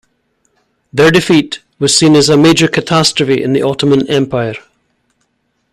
Their defeat was seen as a major catastrophe in the Ottoman empire.